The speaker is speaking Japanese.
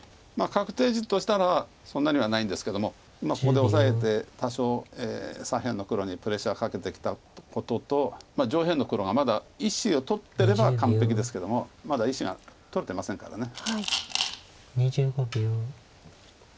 確定地としたらそんなにはないんですけどもここでオサえて多少左辺の黒にプレッシャーかけてきたことと上辺の黒がまだ１子を取ってれば完璧ですけどもまだ１子が取れてませんから。